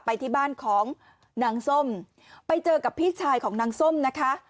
ไปที่บ้านของนางส้มไปเจอกับพี่ชายของนางส้มนะคะ